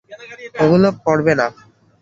ওগুলো পরবে না।